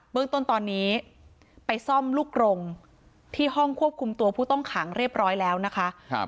เรื่องต้นตอนนี้ไปซ่อมลูกกรงที่ห้องควบคุมตัวผู้ต้องขังเรียบร้อยแล้วนะคะ